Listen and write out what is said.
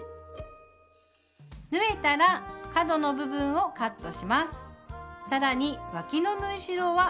縫えたら角の部分をカットします。